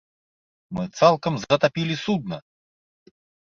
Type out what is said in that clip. Мы цалкам затапілі судна!